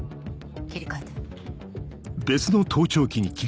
切り替えて。